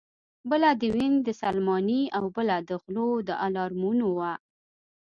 بله د وین د سلماني او بله د غلو د الارمونو وه